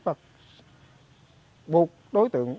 bột đối tượng